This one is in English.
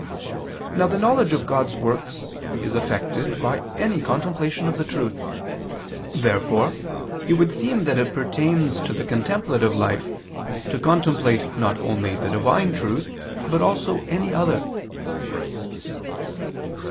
Now the knowledge of God's works is effected by any contemplation of the truth. Therefore it would seem that it pertains to the contemplative life to contemplate not only the divine truth, but also any other.